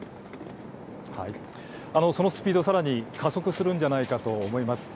そのスピードさらに加速するんじゃないかと思います。